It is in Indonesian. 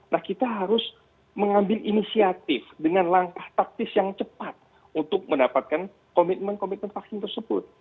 nah kita harus mengambil inisiatif dengan langkah taktis yang cepat untuk mendapatkan komitmen komitmen vaksin tersebut